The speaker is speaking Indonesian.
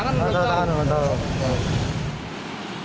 sarung tangan belum tau